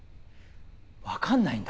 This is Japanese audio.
分かんないんだ。